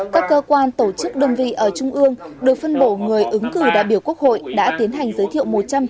các cơ quan tổ chức đơn vị ở trung ương được phân bổ người ứng cử đại biểu quốc hội đã tiến hành giới thiệu